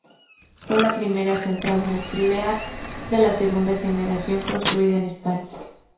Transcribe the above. Fue la primera central nuclear de segunda generación construida en España.